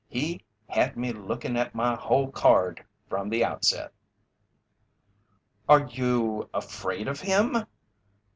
He had me lookin' at my hole card from the outset." "Are you afraid of him?"